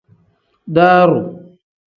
Daaru.